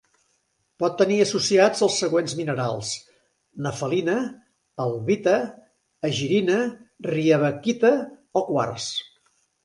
Pot tenir associats els següents minerals: nefelina, albita, egirina, riebeckita o quars.